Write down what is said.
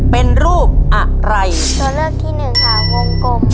เป็นรูปอะไรตัวเลือกที่หนึ่งค่ะวงกลม